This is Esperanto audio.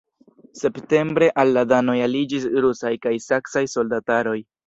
Septembre al la danoj aliĝis rusaj kaj saksaj soldataroj.